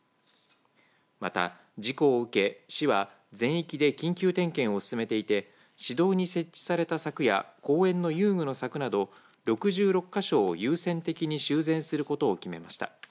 また事故受け市は全域で緊急点検を進めていて市道に設置された柵や公園の遊具の柵など６６か所を優先的に修繕することを決めました。